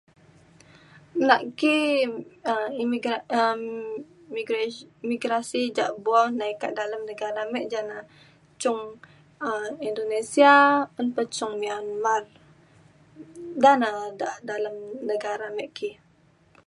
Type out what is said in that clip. na ki um imigri- um imigres- imigrasi ja bu'au nai ka dalem negara me ja na cung um Indonesia un pa cung Myanmar da na dalam negara me ki